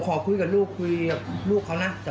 ขอบคุณนะ